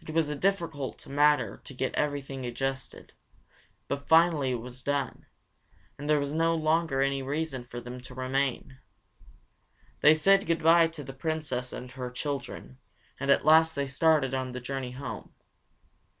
It was a difficult matter to get everything adjusted, but finally it was done, and there was no longer any reason for them to remain. They said good bye to the Princess and her children, and at last started on the journey home.